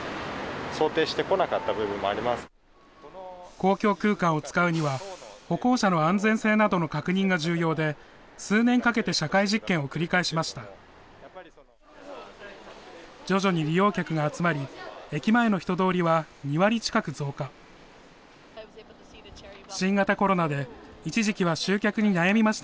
公共空間を使うには、歩行者の安全性などの確認が重要で、数年かけて社会実験を繰り返しました。